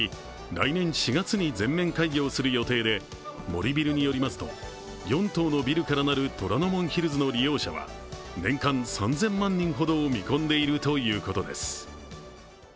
来年４月に全面開業する予定で、森ビルによりますと４棟のビルからなる虎ノ門ヒルズの利用者は年間３０００万人ほどを見込んでいるということです。